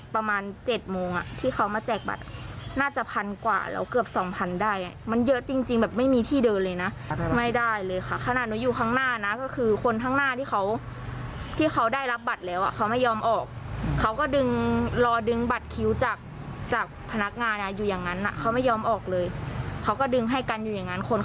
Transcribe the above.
ประมาณ๗โมงอ่ะที่เขามาแจกบัตรน่าจะพันกว่าแล้วเกือบสองพันได้อ่ะมันเยอะจริงจริงแบบไม่มีที่เดินเลยนะไม่ได้เลยค่ะขนาดหนูอยู่ข้างหน้านะก็คือคนข้างหน้าที่เขาที่เขาได้รับบัตรแล้วอ่ะเขาไม่ยอมออกเขาก็ดึงรอดึงบัตรคิวจากจากพนักงานอ่ะอยู่อย่างนั้นเขาไม่ยอมออกเลยเขาก็ดึงให้กันอยู่อย่างนั้นคน